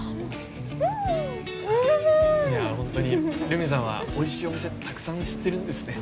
留美さんはおいしいお店たくさん知ってるんですね